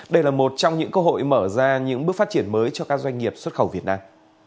đây là một trong những cơ hội mở ra những bước phát triển mới cho các doanh nghiệp xuất khẩu việt nam